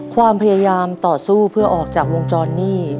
ความพยายามต่อสู้เพื่อออกจากวงจรหนี้